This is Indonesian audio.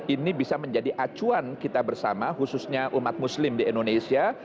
ini bisa menjadi acuan kita bersama khususnya umat muslim di indonesia